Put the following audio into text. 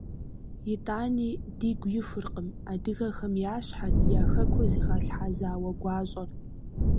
Итӏани, дигу ихуркъым адыгэхэм я щхьэр, я Хэкур зыхалъхьа зауэ гуащӏэр.